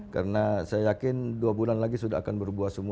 karena saya yakin dua bulan lagi sudah akan berbuah semua